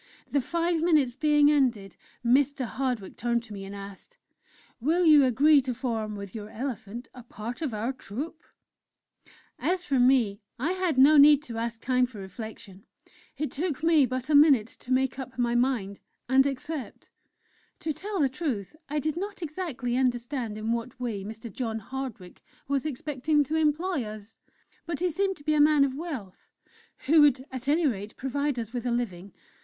The five minutes being ended, Mr. Hardwick turned to me and asked: "'Will you agree to form, with your elephant, a part of our Troupe?' "As for me I had no need to ask time for reflection; it took me but a minute to make up my mind, and accept!... To tell the truth, I did not exactly understand in what way Mr. John Hardwick was expecting to employ us; but he seemed to be a man of wealth, who would at any rate provide us with a living.